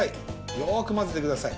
よくまぜてください。